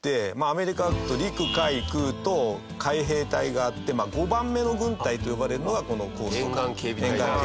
アメリカだと陸海空と海兵隊があって５番目の軍隊と呼ばれるのがこのコーストガード。